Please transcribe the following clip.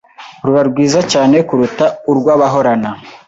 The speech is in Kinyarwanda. ruba rwiza cyane kuruta urw’abahorana